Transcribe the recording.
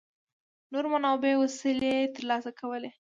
نورو منابعو وسلې ترلاسه کولې.